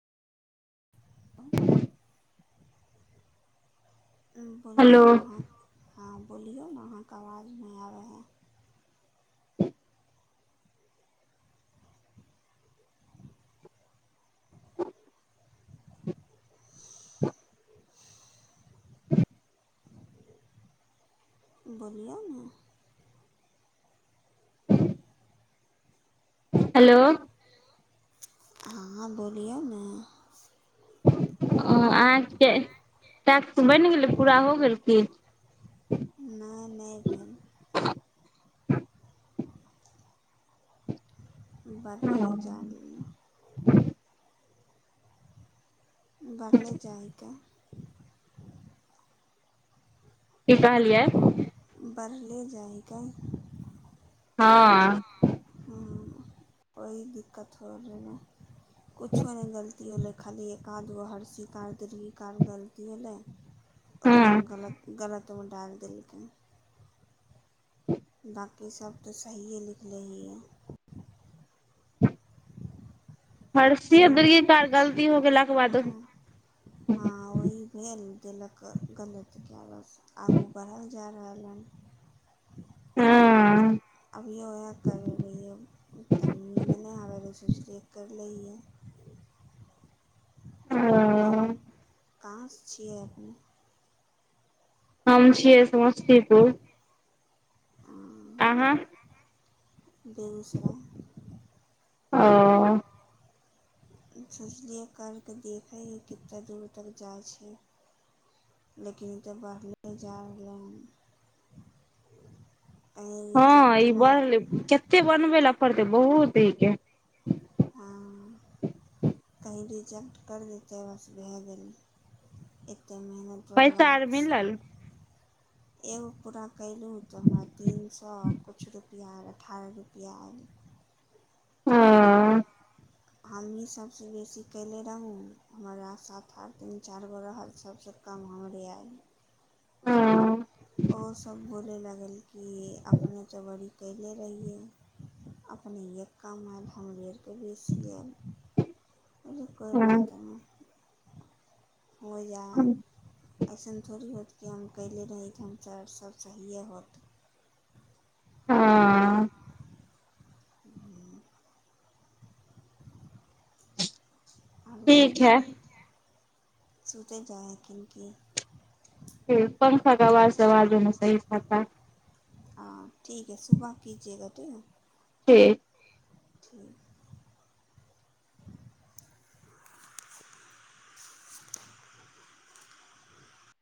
[unintelligible] Hello बोलिऔ ने अहाँ ह बोलिऔ ने अहाँके आवाज नहि आबै हइ बलआमे हेलो हँ बोलियौ ने अहके ैक्स बनि गेलै पूरा हो गेल की नहि नहि भेल बादले जाान की लए बढ़ले जाइ हिकै की कहलियै बढ़ले जाएगा हँ ओह दिक्कत हो रहमे कुछो नहि गलती हो लै खाली य कान दू हर्षी कार तर कार गलती होलै हँ ओकरामे गलत गलत कतु डालि देलकै दा क सबब तऽ सहिए लिखले ह है फरसी उधर तनी घर गलती हो गेल लक बाद हँ वही भेल देलक गलते आलस आगू बढ़ल जा रहल हनि हँ अभिय ओह कर रहियै त नज नहि आब स सुोचले करि लए कह ओ काँस छियरमे हम छियै समस्तीपुर आह बेगसरा ओ सोचलियै कर कऽ देखै ह कतेक दूर तक जाइ छै। लेकिन ई तऽ बढ़लए जा रहलै हन कहीँ हँ ई रिजेक्टमे बनल केतेक बनबै ल पड़तै बहुतै हँ कहीँ रिजेक्ट करि देतै बस भए गेलै एक कतेक मेहनत पैसा आर करबाक मिलल छै। एगो पूरा कयलहुँ तऽ हमरा तीन सए किछु रुपैआ आयल अठारह रुपैआ आयल ह हमही सभसँ बेसी कयले रहूँ हमरा साथ आठ तीन चारि गो रहल सभसँ कम हमरे आयल ह आओर सब ब करै लागल कि अपने तऽ बड़ी कले रहियै अपनेए काम आयल हमरो आरके बेसी आयल अलो कोइ बात नहि हो जा अइसन थोड़ी होत कि हम कले रहहित हम च सब सहिए होत हँ आ ठीक बोलू है सूते जााकिन किी पंखा कवाज अवाजोमे सही खता हँ ठीक है सुबह कीजएगा ठीक है। ठ [inaudible]